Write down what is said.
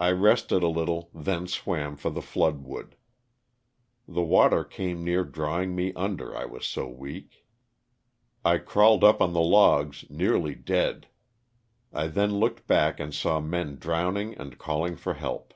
I rested a little then swam for the flood wood. The water came near drawing me under I was so weak. I crawled up on the logs nearly dead. I then looked back and saw men drowning and calling for help.